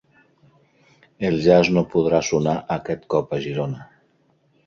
El jazz no podrà sonar aquest cop a Girona